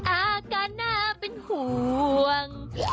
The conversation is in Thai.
อาการน่าเป็นห่วง